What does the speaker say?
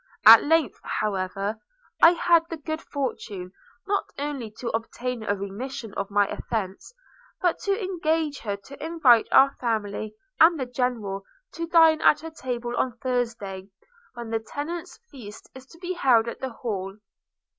At length, however, I had the good fortune, not only to obtain a remission of my offence, but to engage her to invite our family and the General to dine at her table on Thursday, when the tenants' feast is to be held at the Hall.